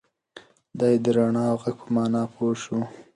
دی د رڼا او غږ په مانا پوه شو.